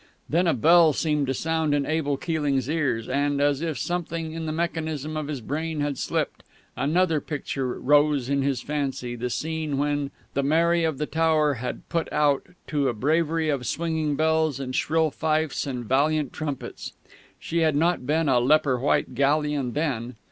Then a bell seemed to sound in Abel Keeling's ears, and, as if something in the mechanism of his brain had slipped, another picture rose in his fancy the scene when the Mary of the Tower had put out, to a bravery of swinging bells and shrill fifes and valiant trumpets. She had not been a leper white galleon then.